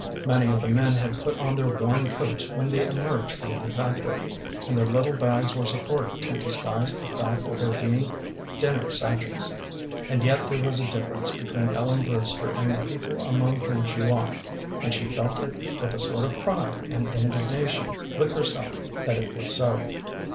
Many of the men had put on their worn coats when they emerged from the factory, and their little bags were supposed to disguise the fact of their being dinner satchels. And yet there was a difference between Ellen Brewster and the people among whom she walked, and she felt it with a sort of pride and indignation with herself that it was so.